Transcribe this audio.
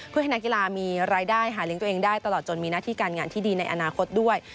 เพื่อให้นักกีฬามีรายได้หาเลี้ยงตัวเองได้ตลอดจนมีหน้าที่การงานที่ดีในอนาคตด้วย